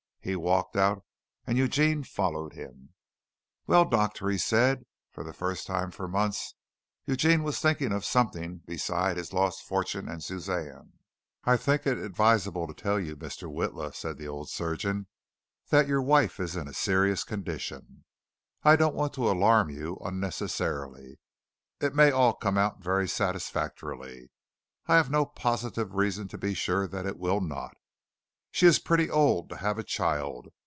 He walked out and Eugene followed him. "Well, doctor," he said. For the first time for months Eugene was thinking of something besides his lost fortune and Suzanne. "I think it advisable to tell you, Mr. Witla," said the old surgeon, "that your wife is in a serious condition. I don't want to alarm you unnecessarily it may all come out very satisfactorily. I have no positive reason to be sure that it will not. She is pretty old to have a child.